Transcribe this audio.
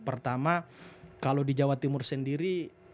pertama kalau di jawa timur sendiri